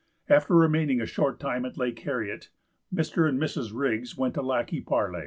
After remaining a short time at Lake Harriet, Mr. and Mrs. Riggs went to Lac qui Parle.